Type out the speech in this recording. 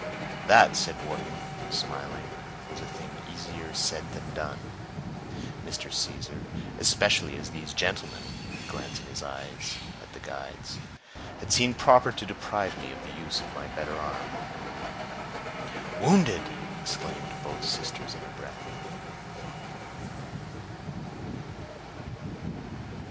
"That," said Wharton, smiling, "was a thing easier said than done, Mr. Caesar, especially as these gentlemen" (glancing his eyes at the guides) "had seen proper to deprive me of the use of my better arm." "Wounded!" exclaimed both sisters in a breath.